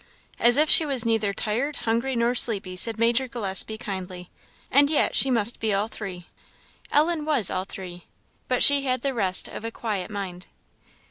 "As if she was neither tired, hungry, nor sleepy," said Major Gillespie kindly; "and yet she must be all three." Ellen was all three. But she had the rest of a quiet mind.